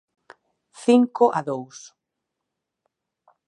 Cinco a dous.